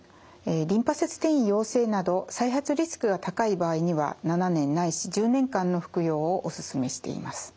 リンパ節転移陽性など再発リスクが高い場合には７年ないし１０年間の服用をお勧めしています。